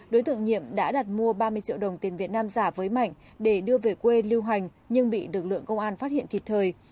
đối tượng nhiệm đã đặt mua ba mươi triệu đồng tiền việt nam giả với mạnh để đưa về quê lưu hành nhưng bị lực lượng công an phát hiện kịp thời